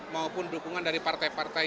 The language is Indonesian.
maupun dukungan dari partai partai